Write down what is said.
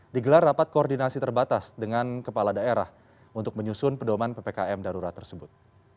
digelar rapat koordinasi terbatas dengan kepala daerah untuk menyusun pedoman ppkm darurat tersebut